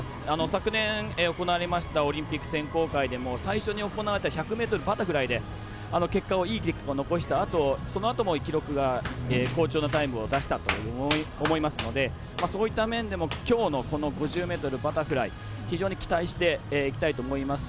昨年、行われましたオリンピック選考会でも最初に行われた１００ｍバタフライでいい結果を残したあとそのあとも記録が好調なタイムを出したと思いますのでそういった面でもきょうの５０ｍバタフライ非常に期待していきたいと思います。